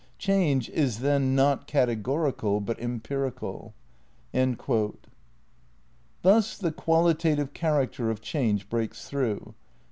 Change is then not categorial but empirical." ' Thus the qualitative character of change breaks through.